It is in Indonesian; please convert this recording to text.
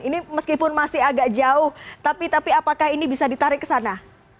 ini meskipun masih agak jauh tapi apakah ini bisa ditarik ke sana